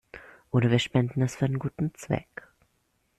Oder wir spenden es für einen guten Zweck.